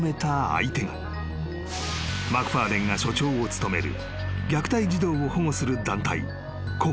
［マクファーレンが所長を務める］